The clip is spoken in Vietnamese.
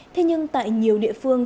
thế nhưng tại nhiều địa phương